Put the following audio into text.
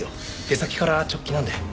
出先から直帰なんで。